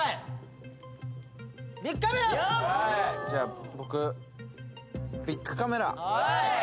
じゃあ僕ビックカメラはい！